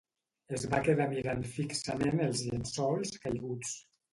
Es va quedar mirant fixament els llençols caiguts.